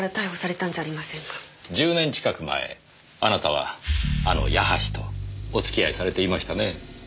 １０年近く前あなたはあの矢橋とお付き合いされていましたねぇ。